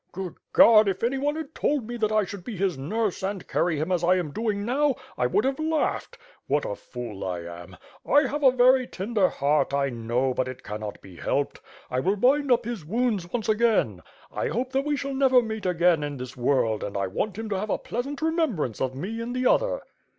Good God! if anyone had told me that I should be his nurse and carry him as I am doing now, I would have laughed. What a fool I am! I have a very tender heart, I know, but it cannot be helped. I will bind up his wounds once again. I hope that we shall never meet again in this world and I want him to have a pleasant remembrance of me in the other."